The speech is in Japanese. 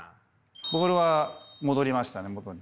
ボールは戻りましたね元に。